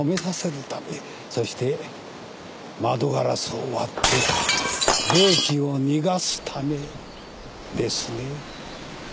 そして窓ガラスを割って冷気を逃がすためですね。